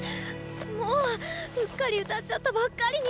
もううっかり歌っちゃったばっかりに！